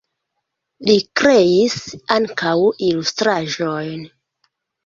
Li kreis ankaŭ ilustraĵojn.